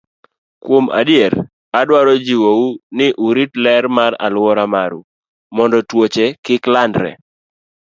Kuom adier, adwaro jiwou ni urit ler mar alwora maru mondo tuoche kik landre.